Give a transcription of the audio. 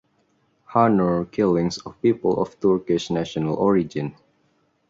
Honour killings of people of Turkish national origin